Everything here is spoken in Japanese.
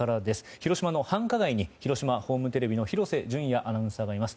広島の繁華街に広島ホームテレビの廣瀬隼也アナウンサーがいます。